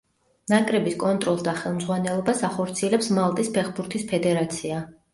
ნაკრების კონტროლს და ხელმძღვანელობას ახორციელებს მალტის ფეხბურთის ფედერაცია.